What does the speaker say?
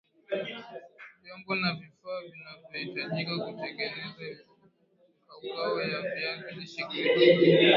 Vyombo na vifaa vinavyahitajika kutengeneza kaukau ya viazi lishe krips